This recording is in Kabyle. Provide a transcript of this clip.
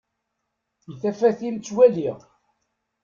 I tafat-im ttwaliɣ.